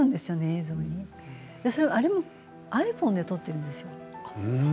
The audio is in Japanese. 映像にあれもｉＰｈｏｎｅで撮っているんですよ。